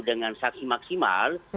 dengan saksi maksimal